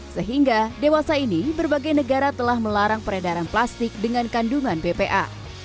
sehingga dewasa ini berbagai negara telah melarang peredaran plastik dengan kandungan bpa